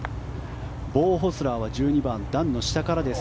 ボウ・ホスラーは１２番段の下からです。